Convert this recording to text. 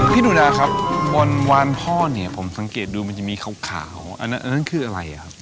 ดูดาครับบนวานพ่อเนี่ยผมสังเกตดูมันจะมีขาวอันนั้นคืออะไรครับ